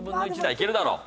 いけるだろ。